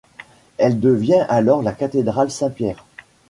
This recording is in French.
Elle devient alors la cathédrale Saint-Pierre.